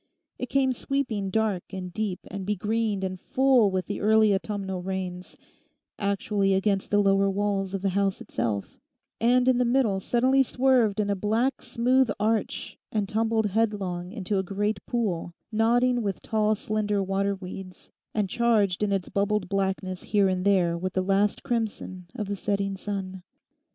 It came sweeping dark and deep and begreened and full with the early autumnal rains, actually against the lower walls of the house itself, and in the middle suddenly swerved in a black, smooth arch, and tumbled headlong into a great pool, nodding with tall slender water weeds, and charged in its bubbled blackness here and there with the last crimson of the setting sun.